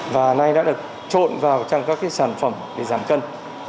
và nay đã được trộn vào trong các sản phẩm để giảm cân